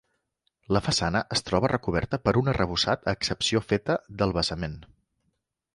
La façana es troba recoberta per un arrebossat a excepció feta del basament.